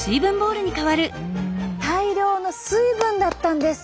大量の水分だったんです。